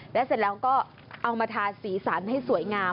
และเสร็จแล้วก็เอามาทาสีสันให้สวยงาม